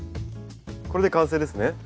これで完成ですね。